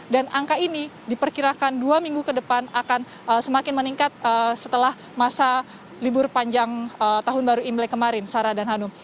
dan angka ini diperkirakan dua minggu ke depan akan semakin meningkat setelah masa libur panjang tahun baru imlay kemarin sarah dan hanum